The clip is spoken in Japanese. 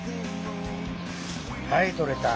はい取れた。